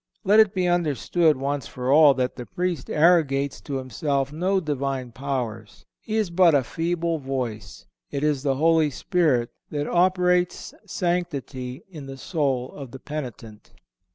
Let it be understood once for all that the Priest arrogates to himself no Divine powers. He is but a feeble voice. It is the Holy Spirit that operates sanctity in the soul of the penitent.